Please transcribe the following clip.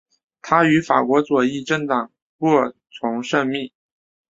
他与法国左翼政党过从甚密。